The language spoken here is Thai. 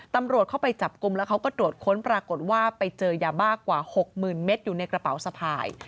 ตำรวจเข้าไปจับกลุ่มแล้วเขาก็ตรวจค้นปรากฏว่าไปเจอยาบ้ากว่า๖๐๐๐เมตรอยู่ในกระเป๋าสะพาย